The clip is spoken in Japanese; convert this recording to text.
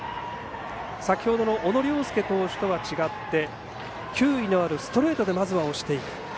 先ほどの小野涼介投手とは違って球威のあるストレートでまずは押していく。